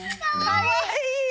かわいい！